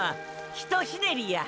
ひとひねりや。